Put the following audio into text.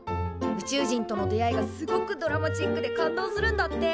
宇宙人との出会いがすごくドラマチックで感動するんだって！